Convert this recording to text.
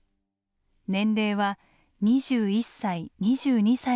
年齢は２１歳２２歳が中心。